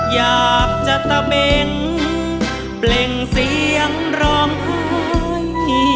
อยากจะตะเบงเปล่งเสียงร้องไห้